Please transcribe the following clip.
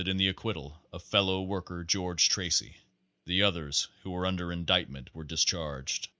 Page Thirty one in the acquittal of Fellow Worker George Tracy. The others who were under indictment were discharged.